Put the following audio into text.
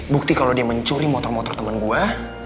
bukti kalau dia mencuri motor motor teman gue